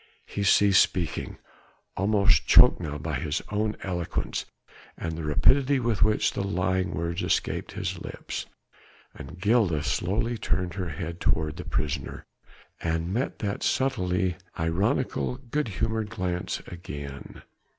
He ceased speaking, almost choked now by his own eloquence, and the rapidity with which the lying words escaped his lips. And Gilda slowly turned her head toward the prisoner, and met that subtly ironical, good humoured glance again.